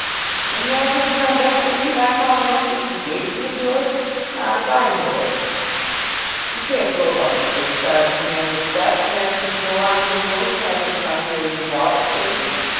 "And have him come back at me by calling off this engagement of yours? Not if I know it! You can't go about the place charging a man with theft and ask him to go on being willing to have his son marry your daughter, can you?